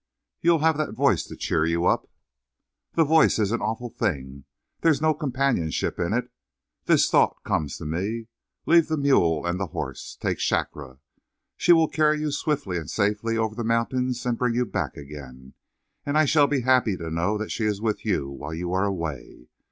"You'll have the voice to cheer you up." "The voice is an awful thing. There is no companionship in it. This thought comes to me. Leave the mule and the horse. Take Shakra. She will carry you swiftly and safely over the mountains and bring you back again. And I shall be happy to know that she is with you while you are away.